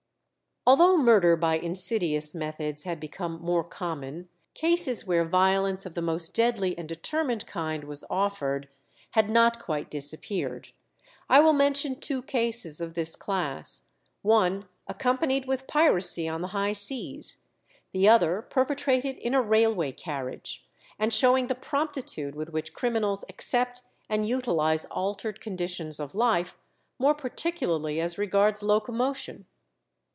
Although murder by insidious methods had become more common, cases where violence of the most deadly and determined kind was offered had not quite disappeared. I will mention two cases of this class, one accompanied with piracy on the high seas, the other perpetrated in a railway carriage, and showing the promptitude with which criminals accept and utilize altered conditions of life, more particularly as regards locomotion.